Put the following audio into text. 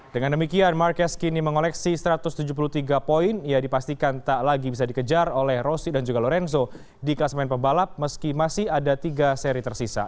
dengan demikian marquez kini mengoleksi satu ratus tujuh puluh tiga poin yang dipastikan tak lagi bisa dikejar oleh rossi dan juga lorenzo di kelas main pebalap meski masih ada tiga seri tersisa